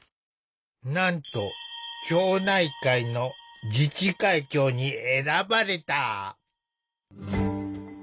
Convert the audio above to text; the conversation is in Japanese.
なんと町内会の自治会長に選ばれた。